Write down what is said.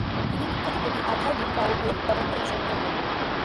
তিনি বিখ্যাত কবি আর্থার রিমবাউডের পদাঙ্ক অনুসরণ করেন।